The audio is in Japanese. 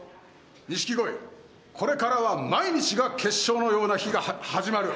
錦鯉、これからは毎日が決勝のような日が始まる。